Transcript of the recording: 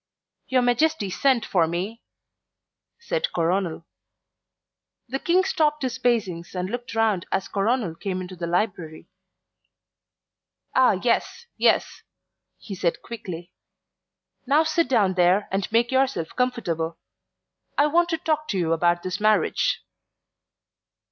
"Your Majesty sent for me," said Coronel. The King stopped his pacings and looked round as Coronel came into the library. "Ah, yes, yes," he said quickly. "Now sit down there and make yourself comfortable. I want to talk to you about this marriage."